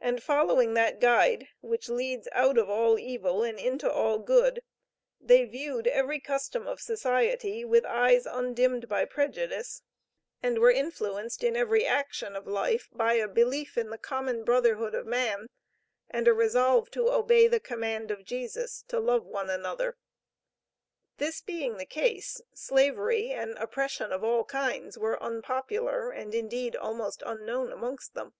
And following that guide which leads out of all evil and into all good, they viewed every custom of society with eyes undimmed by prejudice, and were influenced in every action of life by a belief in the common brotherhood of man, and a resolve to obey the command of Jesus, to love one another. This being the case, slavery and oppression of all kinds were unpopular, and indeed almost unknown amongst them.